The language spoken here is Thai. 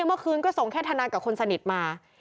เมื่อคืนก็ส่งแค่ทนายกับคนสนิทมา